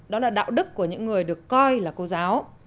đó là đạo đức của những người được coi là cô giáo